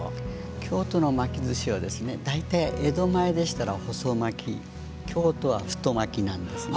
京都の巻きずしは大体江戸前でしたら細巻き京都は太巻きなんですね。